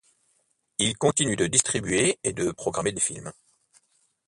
Il continue de distribuer et de programmer des films.